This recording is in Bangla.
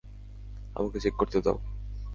আমাকে চেক করতে দাও।